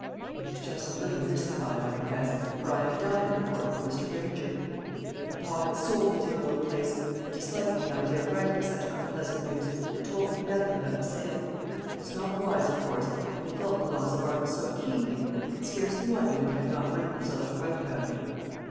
"I was just a little mystified, I confess, for I had dined at the Court with Mr. Granger." "Papa had sold the dear old place, and, disliking the idea of writing such unpleasant news, had told me nothing about the sale. It was not wise, of course; but he felt the loss of Arden so keenly, I can scarcely wonder that he could not bring himself to write about it."